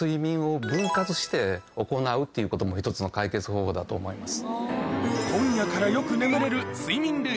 ということも１つの解決方法だと思います。